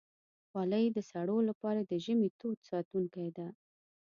خولۍ د سړو لپاره د ژمي تود ساتونکی ده.